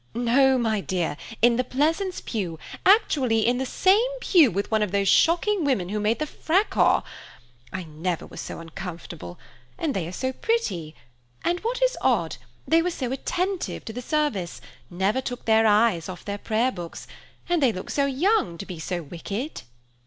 "No, my dear, in the Pleasance pew, actually in the same pew with one of those shocking women who made the fracaw. I never was so uncomfortable, and they are so pretty, and what is odd, they were so attentive to the service, never took their eyes off their prayer books, and they look so young to be so wicked."